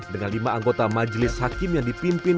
dengan lima anggota majelis hakim yang dipimpin